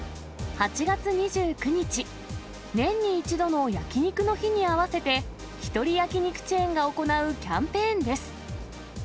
８月２９日、年に一度の焼き肉の日に合わせて、１人焼き肉チェーンが行うキャンペーンです。